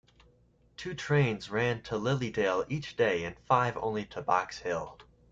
Two trains ran to Lilydale each day and five only to Box Hill.